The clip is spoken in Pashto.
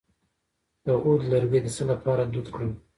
د عود لرګی د څه لپاره دود کړم؟